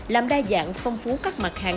làm đa dạng phong phú các mặt hạng